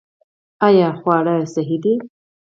آیا خواړه صحي دي؟